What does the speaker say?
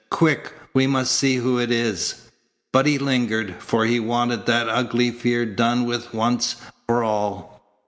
"Quick! We must see who it is." But he lingered, for he wanted that ugly fear done with once for all.